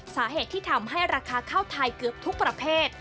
สาเหตุที่ทำให้ราคาข้าวไทยเกือบทุกประเภท